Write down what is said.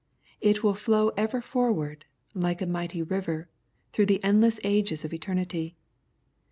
It will flow ever forward, like a mighty river, through the endless ages of eternity.